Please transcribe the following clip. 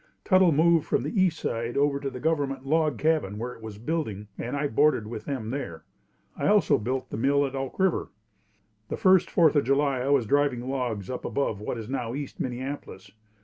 Tuttle moved from the east side over to the government log cabin while it was building and I boarded with them there. I also built the mill at Elk River. The first Fourth of July I was driving logs up above what is now East Minneapolis.